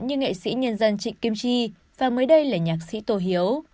như nghệ sĩ nhân dân trịnh kim chi và mới đây là nhạc sĩ tô hiếu